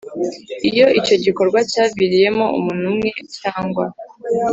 Iyo icyo gikorwa cyaviriyemo umuntu umwe cyangwa